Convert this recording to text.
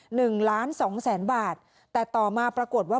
หนึ่งล้านสองแสนบาทแต่ต่อมาปรากฏว่า